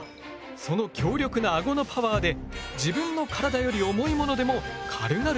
その強力なアゴのパワーで自分の体より重いものでも軽々と運んでしまう。